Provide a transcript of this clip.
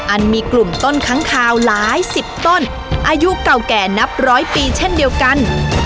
มีกลุ่มต้นค้างคาวหลายสิบต้นอายุเก่าแก่นับร้อยปีเช่นเดียวกัน